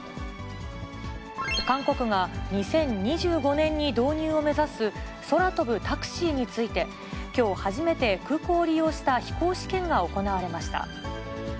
韓国が２０２５年に導入を目指す、空飛ぶタクシーについて、きょう、初めて空港を利用した飛行試験が行われました。